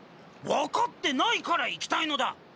わかってないから行きたいのだ。